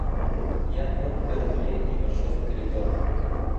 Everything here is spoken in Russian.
Я отпер дверь и вошел в коридор.